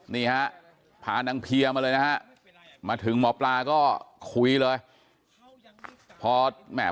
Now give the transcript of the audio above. นี่ฮะพานางเพียมาเลยนะฮะมาถึงหมอปลาก็คุยเลยพอแหม่